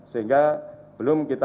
sehingga belum kita